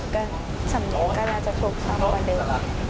ก็สำเนียงก็น่าจะถูกซ้ำกว่าเดิม